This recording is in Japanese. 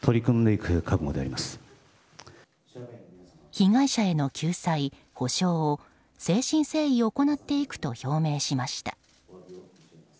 被害者への救済・補償を誠心誠意行っていくと表明しました。